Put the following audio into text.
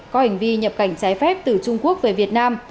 có hành vi nhập cảnh trái phép từ trung quốc về việt nam